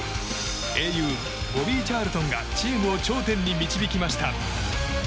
英雄ボビー・チャールトンがチームを頂点に導きました。